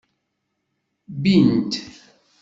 Bbin-t.